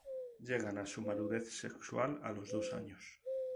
Llegan a su madurez sexual a los dos años.